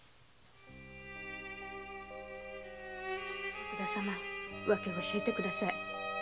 徳田様訳を教えてください。